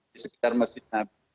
di sekitar masjid nabi